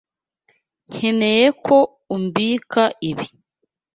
Nkeneye ko umbika ibi.